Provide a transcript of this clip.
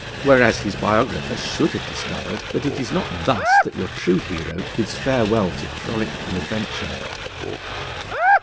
Whereas his biographer should have discovered that it is not thus that your true hero bids farewell to frolic and adventure.